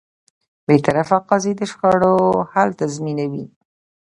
بېطرفه قاضی د شخړو حل تضمینوي.